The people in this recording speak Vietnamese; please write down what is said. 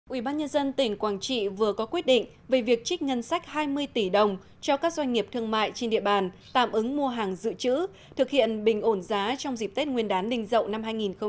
ubnd tỉnh quảng trị vừa có quyết định về việc trích ngân sách hai mươi tỷ đồng cho các doanh nghiệp thương mại trên địa bàn tạm ứng mua hàng dự trữ thực hiện bình ổn giá trong dịp tết nguyên đán đình dậu năm hai nghìn hai mươi